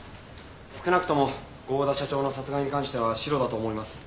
少なくとも合田社長の殺害に関してはシロだと思います。